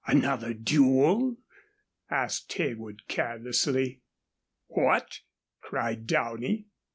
"Another duel?" asked Heywood, carelessly. "What!" cried Downey.